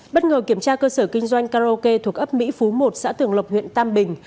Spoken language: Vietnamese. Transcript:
bất ngờ kiểm tra cơ sở kinh doanh karaoke thuộc ấp mỹ phú một xã tường lộc huyện tam bình